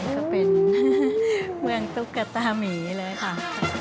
ก็เป็นเมืองตุ๊กตามีเลยค่ะ